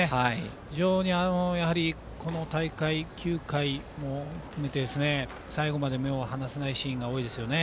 非常にこの大会、９回も含めて最後まで目を離せないシーンが多いですよね。